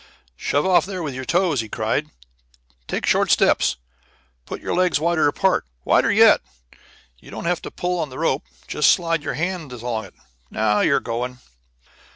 "Shove off there with your toes!" he cried. "Take short steps. Put your legs wider apart. Wider yet. You don't have to pull on the rope. Just slide your hands along. Now you're going!"